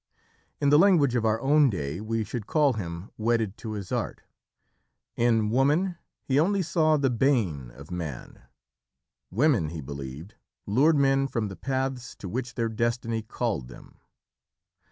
In the language of our own day, we should call him "wedded to his art." In woman he only saw the bane of man. Women, he believed, lured men from the paths to which their destiny called them.